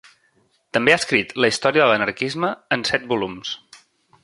També ha escrit la Història de l'anarquisme en set volums.